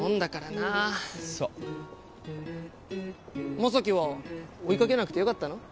将希は追いかけなくてよかったの？